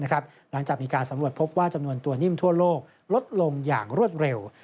หลังจากมีการสำรวจพบว่าจำนวนตัวนิ่มทั่วโลกลดลงอย่างรวดเร็ว